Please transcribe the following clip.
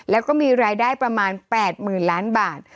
แล้วก็มีรายได้ประมาณ๘๐๐๐ล้านบาท